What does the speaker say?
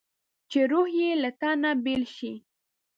چې روح یې له تنه بېل شي.